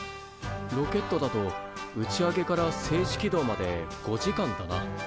ロケットだと打ち上げから静止軌道まで５時間だな。